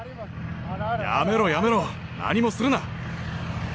やめろ、やめろ、何もするな。